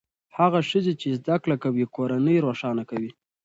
هغه ښځې چې زده کړې کوي کورنۍ روښانه کوي.